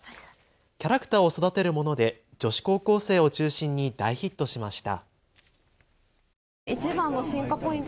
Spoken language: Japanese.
キャラクターを育てるもので女子高校生を中心に大ヒットしました。